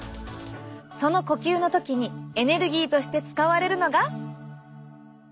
その呼吸の時にエネルギーとして使われるのが。